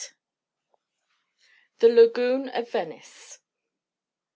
THE LAGOON OF VENICE.